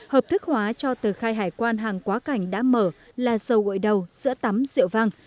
hợp thức hóa cho tờ khai hải quan hàng quá cảnh đã mở là dầu gội đầu giữa tắm rượu vang